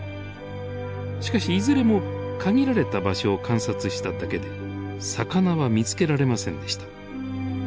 しかしいずれも限られた場所を観察しただけで魚は見つけられませんでした。